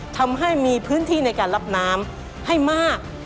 ทำให้มีพื้นที่ในการรับน้ำให้มาก